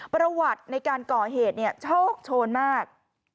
ประวัติในการก่อเหตุโชคโชนมาก